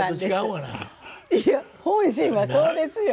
いや本心はそうですよ。